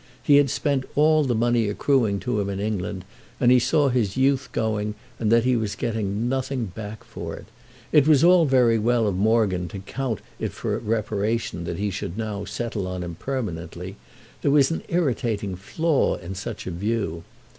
He had spent all the money accruing to him in England, and he saw his youth going and that he was getting nothing back for it. It was all very well of Morgan to count it for reparation that he should now settle on him permanently—there was an irritating flaw in such a view.